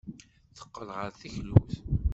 Teqqel ɣer teklut.